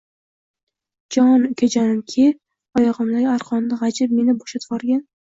Jooon, ukajonim, ke, oyog‘imdagi arqonni g‘ajib, meni bo‘shatvorgin